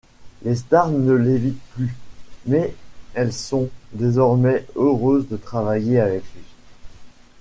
Les stars ne l'évitent plus mais elles sont, désormais, heureuses de travailler avec lui.